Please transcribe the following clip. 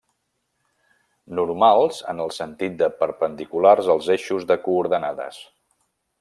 Normals en el sentit de perpendiculars als eixos de coordenades.